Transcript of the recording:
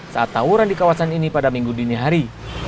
saat tawuran di kawasan ini pada minggu dini hari